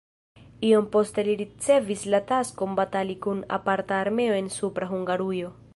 Iom poste li ricevis la taskon batali kun aparta armeo en Supra Hungarujo.